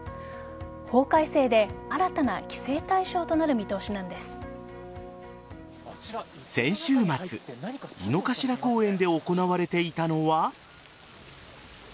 法改正で新たな規制対象となる先週末井の頭公園で行われていたのは。